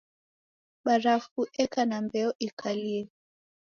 Barafu eka na mbeo ikalie.